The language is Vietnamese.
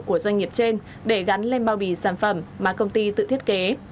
của doanh nghiệp trên để gắn lên bao bì sản phẩm mà công ty tự thiết kế